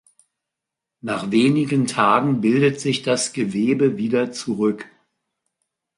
Nach wenigen Tagen bildet sich das Gewebe wieder zurück.